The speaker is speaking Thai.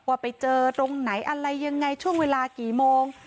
ว่าไปเจอตรงไหนอะไรยังไงช่วงเวลากี่โมง